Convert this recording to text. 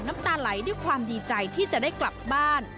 น้ำตาไหลด้วยความดีใจที่จะได้กลับบ้าน